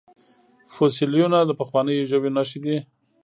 فوسیلیونه د پخوانیو ژویو نښې دي